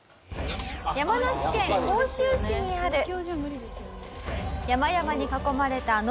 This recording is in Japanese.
山梨県甲州市にある山々に囲まれたのどかな集落。